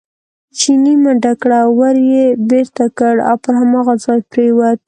چیني منډه کړه، ور یې بېرته کړ او پر هماغه ځای پرېوت.